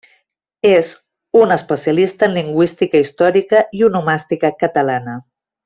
És un especialista en lingüística històrica i onomàstica catalana.